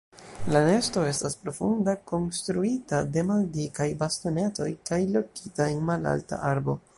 La nesto estas profunda, konstruita de maldikaj bastonetoj kaj lokita en malalta arbo.